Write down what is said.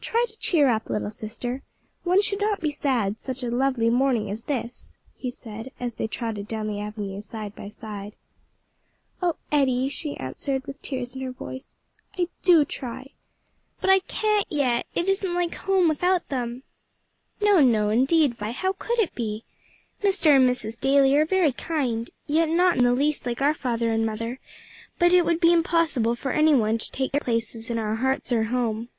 "Try to cheer up, little sister; one should not be sad such a lovely morning as this," he said, as they trotted down the avenue side by side. "Oh, Eddie," she answered, with tears in her voice, "I do try, but I can't yet; it isn't like home without them." "No; no indeed, Vi; how could it be? Mr. and Mrs. Daly are very kind, yet not in the least like our father and mother; but it would be impossible for any one to take their places in our hearts or home."